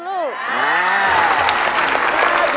ซุปเปอร์ยิ้มแล้วนี่